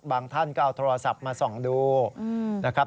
ท่านก็เอาโทรศัพท์มาส่องดูนะครับ